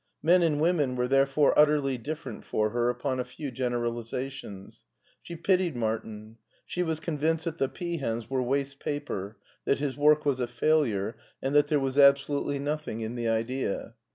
Men and women were therefore ut terly different for her upon a few generalizations. She pitied Martin ; she was convinced that the peahens were waste paper, that his work was a failure, and that there was absolutely nothing in the idea.